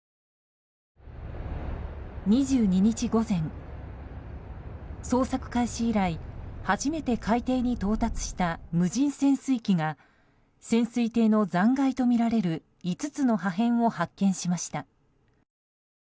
２２日午前、捜索開始以来初めて海底に到達した無人潜水機が潜水艇の残骸とみられる５つの破片を発見しました。